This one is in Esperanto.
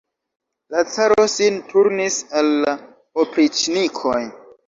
La caro sin turnis al la opriĉnikoj.